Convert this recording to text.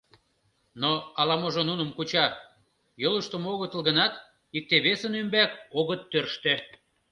Но ала-можо нуным куча, йолыштымо огытыл гынат, икте-весын ӱмбак огыт тӧрштӧ.